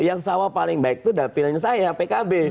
yang sama paling baik itu dapilnya saya pkb